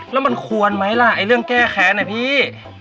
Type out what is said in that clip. แล้วมันควรไหมล่ะไอ้เรื่องแก้แค้นนะพี่